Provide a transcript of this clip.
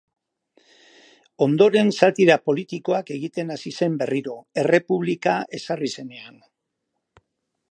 Ondoren satira politikoak egiten hasi zen berriro, errepublika ezarri zenean.